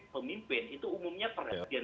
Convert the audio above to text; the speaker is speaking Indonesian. pemimpin itu umumnya perhatian